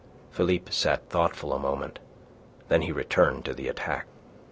Philippe sat thoughtful a moment. Then he returned to the attack.